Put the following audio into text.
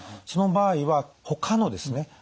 その場合はほかのですね